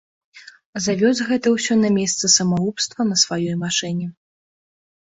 Завёз гэта ўсё на месца самагубства на сваёй машыне.